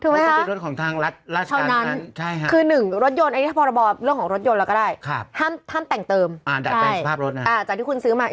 ถูกต้องเพราะไม่ได้ติดรถของทางราชการ